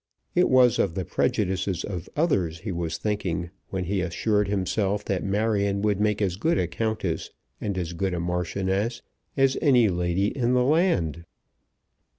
It was of the prejudices of others he was thinking when he assured himself that Marion would make as good a Countess and as good a Marchioness as any lady in the land.